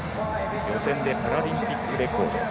予選でパラリンピックレコード。